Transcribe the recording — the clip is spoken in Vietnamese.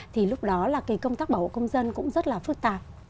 thì lúc đó là công tác bảo hộ công dân cũng rất là phức tạp